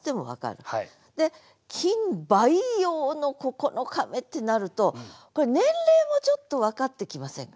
で「菌培養の９日目」ってなるとこれ年齢もちょっと分かってきませんか。